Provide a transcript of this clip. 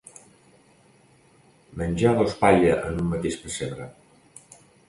Menjar dos palla en un mateix pessebre.